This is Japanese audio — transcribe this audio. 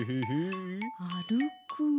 あるく。